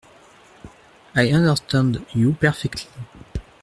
I understand you perfectly.